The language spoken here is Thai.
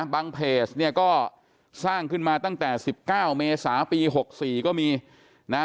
เพจเนี่ยก็สร้างขึ้นมาตั้งแต่๑๙เมษาปี๖๔ก็มีนะ